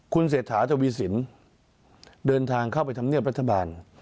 คุณเศรษฐาทวีสินเดินทางเข้าไปทำเนียบรัฐบาล